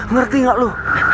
ngerti nggak lu